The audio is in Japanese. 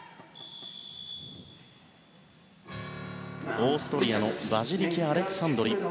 オーストリアのヴァジリキ・アレクサンドリ。